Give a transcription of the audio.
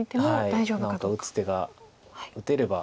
何か打つ手が打てれば。